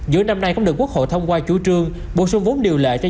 giữa năm nay cũng được quốc hội thông qua chủ trương bổ sung vốn điều lệ